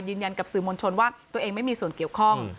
ยืนยันกับสื่อมวลชนว่าตัวเองไม่มีส่วนเกี่ยวข้อง